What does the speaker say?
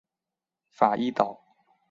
法伊岛。